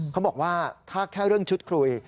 เขาบอกว่าถ้าแค่เรื่องชุดคุย